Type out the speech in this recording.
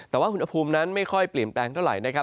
แต่ว่าอุณหภูมินั้นไม่ค่อยเปลี่ยนแปลงเท่าไหร่นะครับ